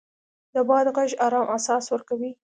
د باد غږ ارام احساس ورکوي